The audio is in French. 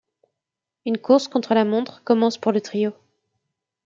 Une course contre la montre commence pour le trio...